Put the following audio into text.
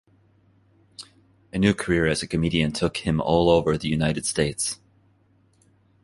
A new career as a comedian took him all over the United States.